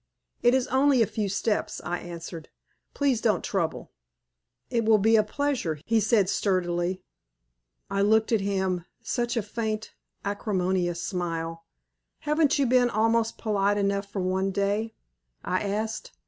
"It is only a few steps," I answered. "Please don't trouble." "It will be a pleasure," he said, sturdily. I looked at him; such a faint, acrimonious smile. "Haven't you been almost polite enough for one day?" I asked.